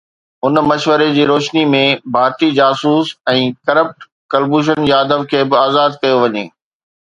ان مشوري جي روشني ۾ ڀارتي جاسوس ۽ ڪرپٽ ڪلڀوشن ياديو کي به آزاد ڪيو وڃي.